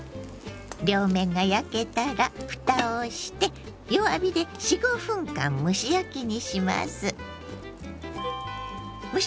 両面が焼けたらふたをして弱火で４５分間蒸し焼きにします。